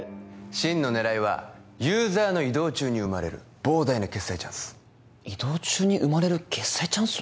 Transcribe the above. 真の狙いはユーザーの移動中に生まれる膨大な決済チャンス移動中に生まれる決済チャンス？